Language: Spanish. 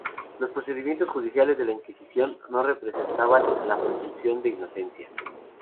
Los procedimientos judiciales de la Inquisición no respetaban la presunción de inocencia.